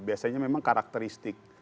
saya merasa memang karakteristik